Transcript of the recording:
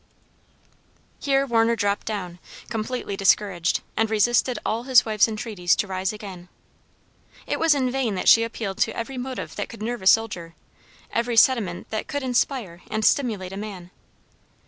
Here Warner dropped down, completely discouraged, and resisted all his wife's entreaties to rise again. It was in vain that she appealed to every motive that could nerve a soldier, every sentiment that could inspire and stimulate a man.